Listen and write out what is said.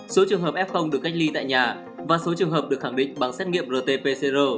số trường hợp f được cách ly tại nhà và số trường hợp được khẳng định bằng xét nghiệm rt pcr